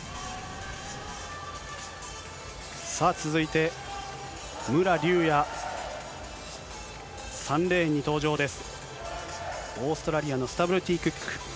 さあ、続いて武良竜也、３レーンに登場です。